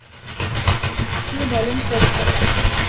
তিনি বললেন, পরে পাবে।